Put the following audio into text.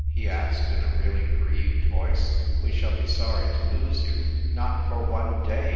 he asked in a really grieved voice. " We shall be sorry to lose you." "Not for one day!"